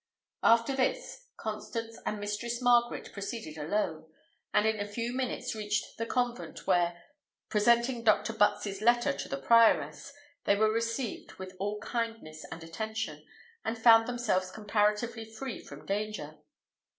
After this, Constance and Mistress Margaret proceeded alone, and in a few minutes reached the convent, where, presenting Dr. Butts's letter to the prioress, they were received with all kindness and attention, and found themselves comparatively free from danger.